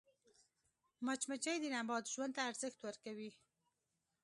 مچمچۍ د نبات ژوند ته ارزښت ورکوي